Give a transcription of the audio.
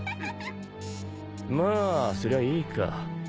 まあそりゃいいか。